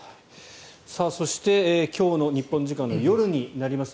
そして、今日の日本時間の夜になります